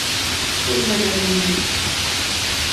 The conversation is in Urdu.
کوئی وجہ نہیں ہے۔